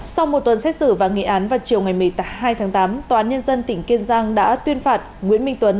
sau một tuần xét xử và nghị án vào chiều ngày một mươi hai tháng tám tòa án nhân dân tỉnh kiên giang đã tuyên phạt nguyễn minh tuấn